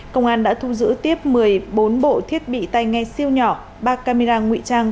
công an đã thu giữ tiếp một mươi bốn bộ thiết bị tay nghe siêu nhỏ ba camera ngụy trang